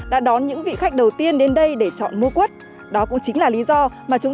mà còn có thể đem lại nhiều may mắn